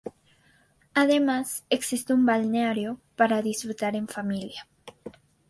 Además existe un balneario para disfrutar en familia.